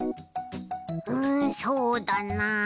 うんそうだなあ？